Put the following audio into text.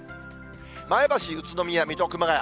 前橋、宇都宮、水戸、熊谷。